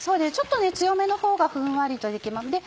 ちょっと強めのほうがふんわりとできます。